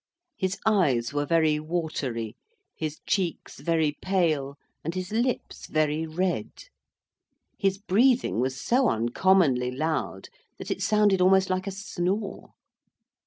His eyes were very watery, his cheeks very pale, and his lips very red. His breathing was so uncommonly loud, that it sounded almost like a snore.